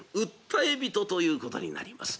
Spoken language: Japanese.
訴え人ということになります。